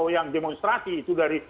yang demonstrasi itu dari